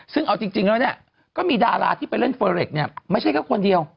ซึ่งเอาจริงแล้วเนี่ยก็มีดาราที่ไปเล่นเฟอร์เรคเนี่ยไม่ใช่แค่คนเดียว